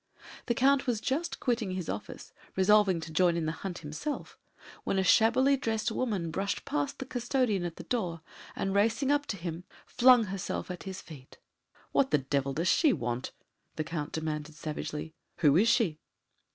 The Count was just quitting his office, resolved to join in the hunt himself, when a shabbily dressed woman brushed past the custodian at the door, and racing up to him, flung herself at his feet. "What the devil does she want?" the Count demanded savagely. "Who is she?"